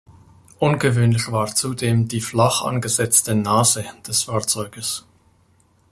Ungewöhnlich war zudem die flach angesetzte „Nase“ des Fahrzeuges.